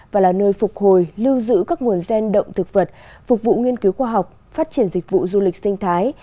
và là nơi phục hồi lưu giữ các nguồn gen động thực vật phục vụ nghiên cứu khoa học phát triển dịch vụ du lịch sinh thái